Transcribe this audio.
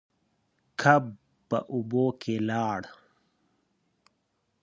کب په اوبو کې لاړ.